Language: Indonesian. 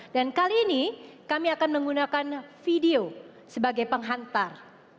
dan kali ini kami akan menggunakan video sebagai penghantar